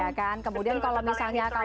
iya kan kemudian kalau misalnya kalau